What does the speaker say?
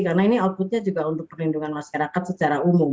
karena ini outputnya juga untuk perlindungan masyarakat secara umum